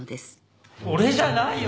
俺じゃないよ！